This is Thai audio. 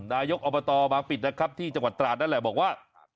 นายกอบตบางปิดนะครับที่จังหวัดตราดนั่นแหละบอกว่า